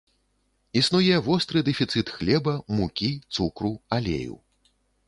Існуе востры дэфіцыт хлеба, мукі, цукру, алею.